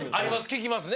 ききますね。